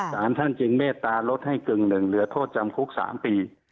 สารท่านจึงเมตตาลดให้กึ่งหนึ่งเหลือโทษจำคุก๓ปี